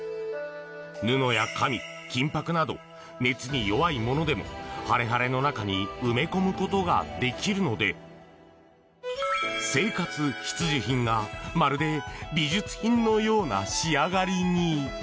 布や紙、金箔など熱に弱いものでもハレハレの中に埋め込むことができるので生活必需品が、まるで美術品のような仕上がりに！